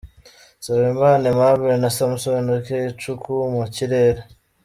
Nsabimana Aimable na Samson Ikechukwu mu kirere.